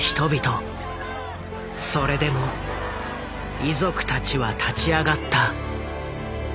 それでも遺族たちは立ち上がった。